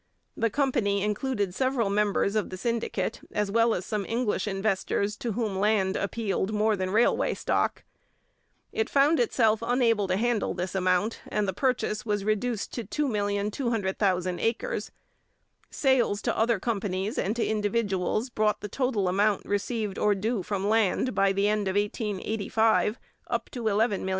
The company included several members of the syndicate as well as some English investors to whom land appealed more than railway stocks. It found itself unable to handle this amount and the purchase was reduced to 2,200,000 acres. Sales to other companies and to individuals brought the total amount received or due from land by the end of 1885 up to $11,000,000.